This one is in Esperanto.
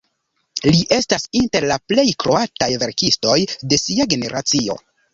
Li estas inter la plej kroataj verkistoj de sia generacio.